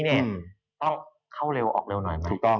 เนี่ยต้องเข้าเร็วออกเร็วหน่อยไหม